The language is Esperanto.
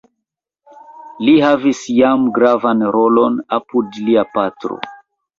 Li havis jam gravan rolon apud lia patro.